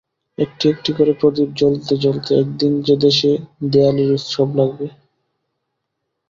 একটি একটি করে প্রদীপ জ্বলতে জ্বলতে একদিন যে দেশে দেয়ালির উৎসব লাগবে।